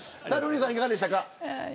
瑠麗さん、いかがでしたか。